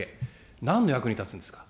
なんの役に立つんですか。